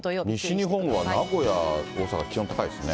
西日本は名古屋、大阪、気温高いですね。